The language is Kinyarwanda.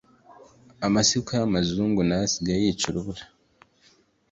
Amasuka y’amazungu nayo asigaye yica urubura